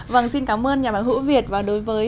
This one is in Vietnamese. vâng xin cảm ơn nhà báo hữu việt và đối với